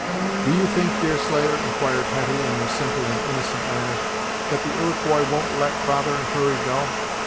"Do you think, Deerslayer," inquired Hetty, in her simple and innocent manner, "that the Iroquois won't let father and Hurry go?